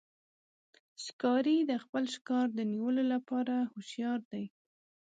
ښکاري د خپل ښکار د نیولو لپاره هوښیار دی.